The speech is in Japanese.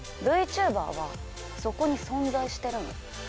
ＶＴｕｂｅｒはそこに存在してるの。